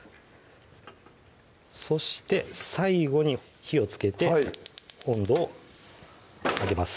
そして最後に火をつけてはい温度を上げます